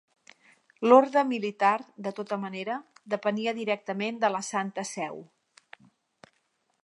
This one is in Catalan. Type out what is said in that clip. L'orde militar, de tota manera, depenia directament de la Santa Seu.